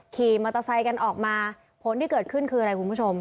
ขี่มอเตอร์ไซค์กันออกมาผลที่เกิดขึ้นคืออะไรคุณผู้ชม